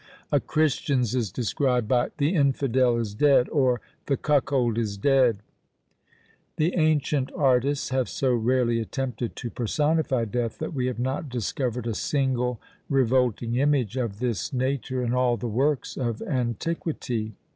A Christian's is described by "The infidel is dead!" or, "The cuckold is dead." The ancient artists have so rarely attempted to personify Death, that we have not discovered a single revolting image of this nature in all the works of antiquity.